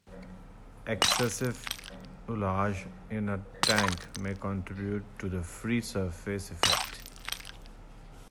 Excessive ullage in a tank may contribute to the free surface effect.